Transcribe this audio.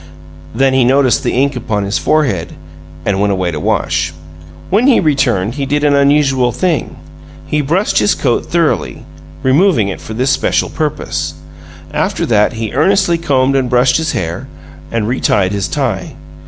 Then he noticed the ink upon his forehead, and went away to wash. When he returned he did an unusual thing he brushed his coat thoroughly, removing it for this special purpose. After that, he earnestly combed and brushed his hair, and retied his tie.